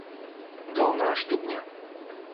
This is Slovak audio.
Dolná Štubňa